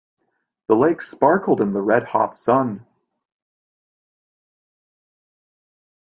The lake sparkled in the red hot sun.